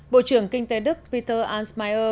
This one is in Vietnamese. bộ trưởng kinh tế đức peter arnsmeier